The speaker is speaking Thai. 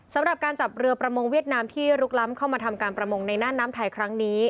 สำหรับการจับเรือประมงเวียดนามที่ลุกล้ำเข้ามาทำการประมงในหน้าน้ำไทยครั้งนี้